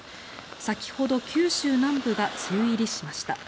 先ほど、九州南部が梅雨入りしました。